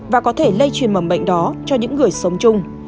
và có thể lây truyền mầm bệnh đó cho những người sống chung